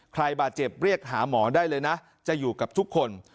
ใครบาดเจ็บเรียกหาหมอได้เลยนะจะอยู่กับทุกคน